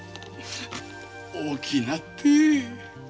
大きなって。